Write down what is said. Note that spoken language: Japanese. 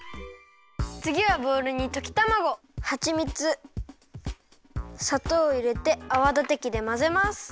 つぎはボウルにときたまごはちみつさとうをいれてあわだてきでまぜます。